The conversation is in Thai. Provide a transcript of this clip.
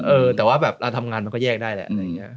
เออแต่ว่าแบบเราทำงานมันก็แยกได้แหละ